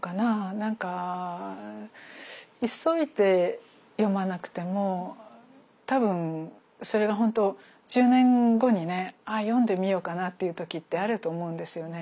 なんか急いで読まなくても多分それがほんと１０年後にね読んでみようかなっていう時ってあると思うんですよね。